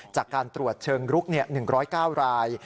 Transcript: จากการตรวจเชิงลุก๑๐๙ราย